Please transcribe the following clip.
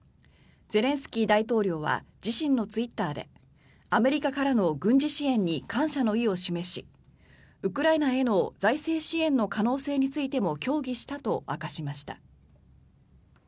ゼレンスキー大統領は自身のツイッターでアメリカからの軍事支援に感謝の意を示しウクライナへの財政支援の可能性についても協議したと明かしました。